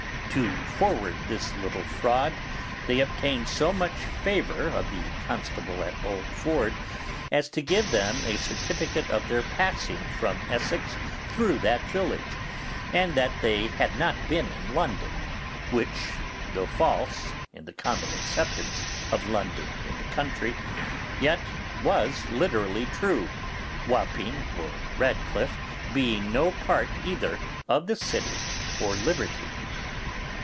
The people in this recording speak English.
To forward this little fraud, they obtained so much favour of the constable at Old Ford as to give them a certificate of their passing from Essex through that village, and that they had not been at London; which, though false in the common acceptance of London in the county, yet was literally true, Wapping or Ratcliff being no part either of the city or liberty.